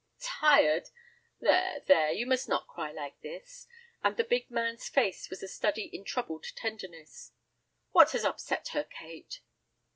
"Tired! there, there! You must not cry like this," and the big man's face was a study in troubled tenderness. "What has upset her, Kate?"